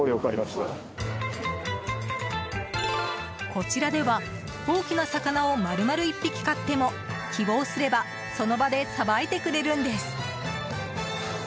こちらでは大きな魚を丸々１匹買っても希望すればその場でさばいてくれるんです。